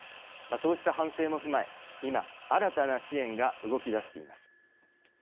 そうした反省も踏まえ今新たな支援が動き出しています。